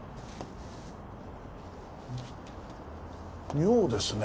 妙ですね。